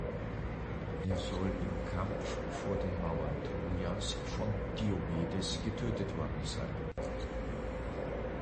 Er soll im Kampf vor den Mauern Trojas von Diomedes getötet worden sein.